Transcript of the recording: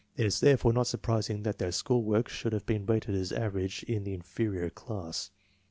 It is therefore not surprising that their school work should have been rated as average in an inferior class.